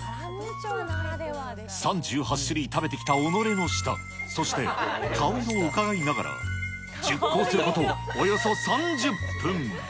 ３８種類食べてきた己の舌、そして顔色をうかがいながら熟考することおよそ３０分。